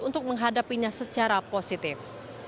untuk menghadapinya secara positif